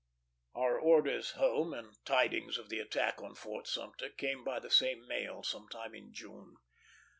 Our orders home, and tidings of the attack on Fort Sumter, came by the same mail, some time in June.